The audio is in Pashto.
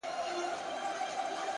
هغې ويله چي تل پرېشان ښه دی!